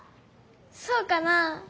そうかなあ？